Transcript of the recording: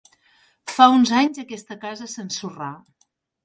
Fa uns anys aquesta casa s'ensorrà.